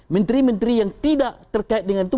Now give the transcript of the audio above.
menteri menteri yang tidak terkait dengan itu